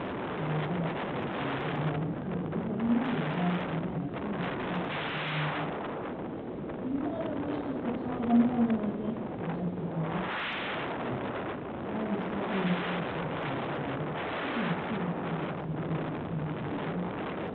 "You're welcome," answered Ned, curtly, for he neither liked the manners nor the aspect of the man. "Ye might ha' wished us the top o' the mornin', I think," suggested Larry. "Here, try an' soften yer sperrits with a sup," he added, pushing a pewter plate of soup and a spoon towards him.